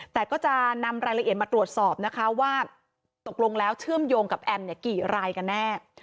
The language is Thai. แต่ก็จะนำรายละเอียดมาตรวจสอบนะคะว่าตกลงแล้วเชื่อมโยงกับแอมเนี่ยกี่รายกันแน่